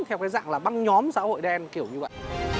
theo cái dạng là băng nhóm xã hội đen kiểu như vậy